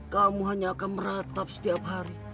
kamu hanya akan meratap setiap hari